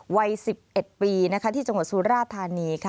วัย๑๑ปีที่จังหวัดสุราธานี